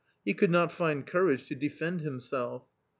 He could not find courage to defend himself.